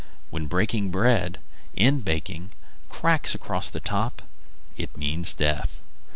When bread, in baking, cracks across the top, it means death.